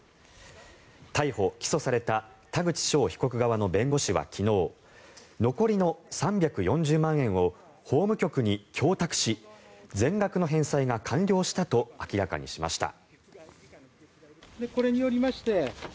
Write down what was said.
逮捕・起訴された田口翔被告側の弁護士は昨日残りの３４０万円を法務局に供託し全額の返済が完了したと明らかにしました。